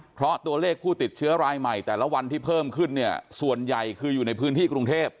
เพราะตัวเลขผู้ติดเชื้อรายใหม่แต่ละวันที่เพิ่มขึ้นเนี่ยส่วนใหญ่คืออยู่ในพื้นที่กรุงเทพ